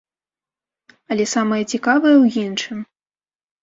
Але самае цікавае ў іншым.